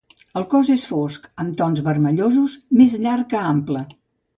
El cos és fosc, amb tons vermellosos, més llarg que ample.